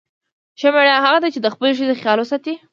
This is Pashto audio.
ښه میړه هغه دی چې د خپلې ښځې خیال وساتي.